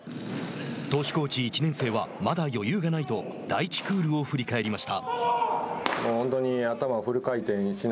投手コーチ１年生はまだ余裕がないと第１クールを振り返りました。